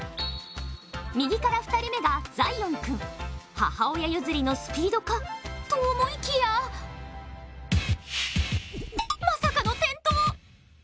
右から２人目がザイオン君、母親譲りのスピードかと思いきやまさかの転倒！